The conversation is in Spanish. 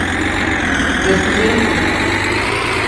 Los pudieron comprar.